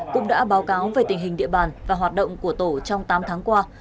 cũng đã báo cáo về tình hình địa bàn và hoạt động của tổ trong tám tháng qua